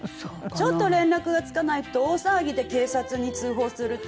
ちょっと連絡がつかないと大騒ぎで「警察に通報する」って。